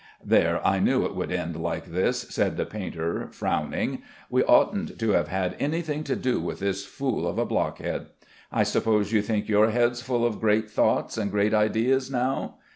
"There, I knew it would end like this," said the painter frowning. "We oughtn't to have had anything to do with this fool of a blockhead. I suppose you think your head's full of great thoughts and great ideas now.